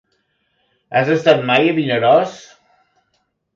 Has estat mai a Vinaròs?